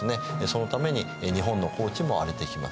そのために日本の耕地も荒れてきます。